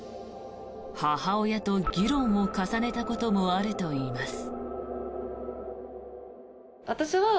母親と議論を重ねたこともあるといいます。